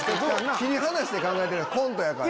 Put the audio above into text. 切り離して考えてコントやから。